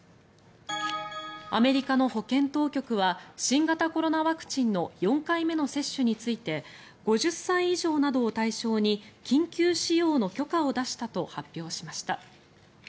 アメリカの保健当局は新型コロナワクチンの４回目の接種について５０歳以上などを対象に緊急使用の許可を出したと発表しました。